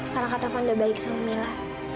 karena katovan udah baik sama mila